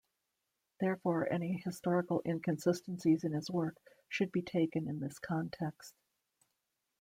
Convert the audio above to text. Therefore, any historical inconsistencies in his work should be taken in this context.